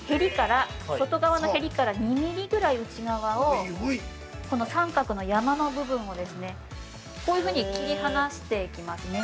外側のへりから２ミリぐらい内側を三角の山の部分をこういうふうに切り離していきます。